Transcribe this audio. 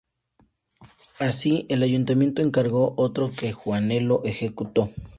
Así, el ayuntamiento encargó otro, que Juanelo ejecutó.